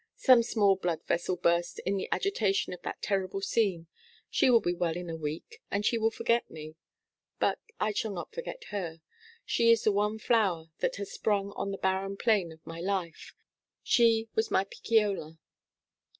Some small bloodvessel burst in the agitation of that terrible scene. She will be well in a week, and she will forget me. But I shall not forget her. She is the one flower that has sprung on the barren plain of my life. She was my Picciola.'